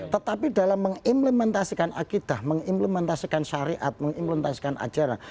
tetapi dalam mengimplementasikan akidah mengimplementasikan syariat mengimplementasikan ajaran